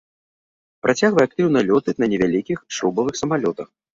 Працягвае актыўна лётаць на невялікіх шрубавых самалётах.